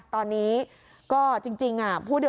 ตอนนี้ก็จริง